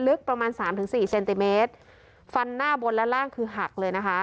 ลึกประมาณสามถึงสี่เซนติเมตรฟันหน้าบนและล่างคือหักเลยนะคะ